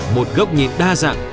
một góc nhìn đa dạng